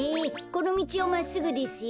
このみちをまっすぐですよ。